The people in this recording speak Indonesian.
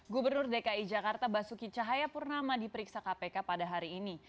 gubernur dki jakarta basuki cahayapurnama diperiksa kpk pada hari ini